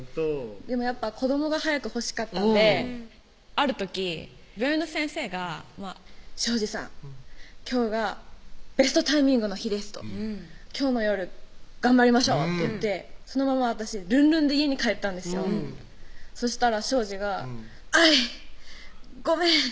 でもやっぱ子どもが早く欲しかったんである時病院の先生が「小路さん今日がベストタイミングの日です」と「今日の夜頑張りましょう」って言ってそのまま私ルンルンで家に帰ったんですよそしたら小路が「愛ごめん」